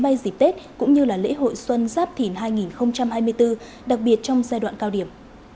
bay dịp tết cũng như lễ hội xuân giáp thìn hai nghìn hai mươi bốn đặc biệt trong giai đoạn cao điểm